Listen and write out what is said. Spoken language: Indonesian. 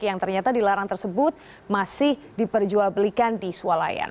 yang ternyata dilarang tersebut masih diperjual belikan di sualayan